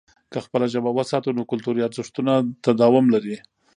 که خپله ژبه وساتو، نو کلتوري ارزښتونه تداوم لري.